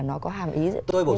nó có hàm ý như vậy hay không